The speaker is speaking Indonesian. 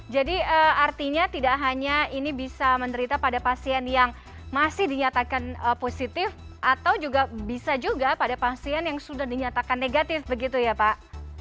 artinya tidak hanya ini bisa menderita pada pasien yang masih dinyatakan positif atau juga bisa juga pada pasien yang sudah dinyatakan negatif begitu ya pak